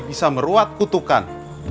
bisa meruat kutukan